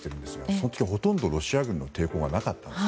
その時、ほとんどロシア軍の抵抗がなかったんです。